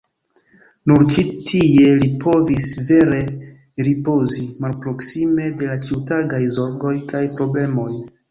Nur ĉi tie li povis vere ripozi, malproksime de la ĉiutagaj zorgoj kaj problemoj.